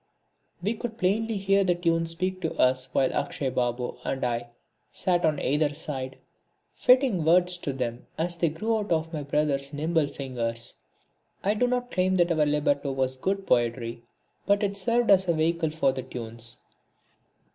We could plainly hear the tunes speak to us while Akshay Babu and I sat on either side fitting words to them as they grew out of my brother's nimble fingers. I do not claim that our libretto was good poetry but it served as a vehicle for the tunes.